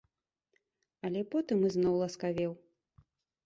Але потым ізноў ласкавеў.